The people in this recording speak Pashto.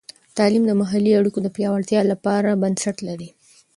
تعلیم د محلي اړیکو د پیاوړتیا لپاره بنسټ لري.